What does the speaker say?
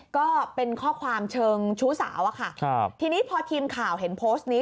ก็เป็นข้อความเชิงชู้สาวอะค่ะครับทีนี้พอทีมข่าวเห็นโพสต์นี้